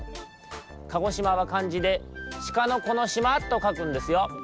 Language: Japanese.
鹿児島はかんじで鹿の児の島とかくんですよ。